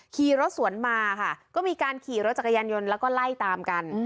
ขี่รถสวนมาค่ะก็มีการขี่รถจักรยานยนต์แล้วก็ไล่ตามกัน